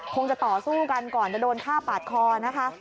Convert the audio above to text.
จะต่อสู้กันก่อนจะโดนฆ่าปาดคอนะคะ